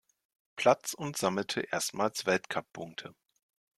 Platz und sammelte erstmals Weltcuppunkte.